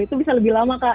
itu bisa lebih lama kak